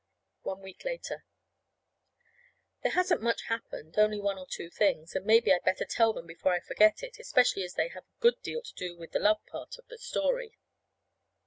One week later. There hasn't much happened only one or two things. But maybe I'd better tell them before I forget it, especially as they have a good deal to do with the love part of the story.